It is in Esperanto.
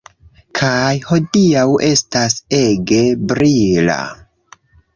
Kaj hodiaŭ estas ege brila